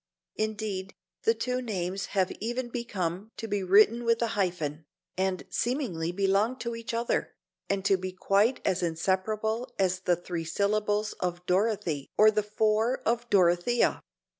Indeed, the two names have even become to be written with a hyphen, and seemingly to belong to each other, and to be quite as inseparable as the three syllables of Dorothy or the four of Dorothea.